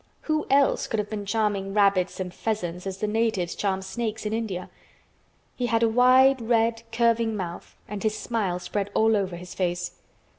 Who else could have been charming rabbits and pheasants as the natives charm snakes in India? He had a wide, red, curving mouth and his smile spread all over his face.